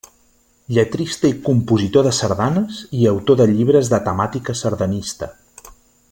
Lletrista i compositor de sardanes, i autor de llibres de temàtica sardanista.